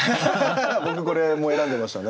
僕これも選んでましたね。